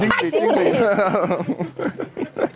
จิ้งหลีด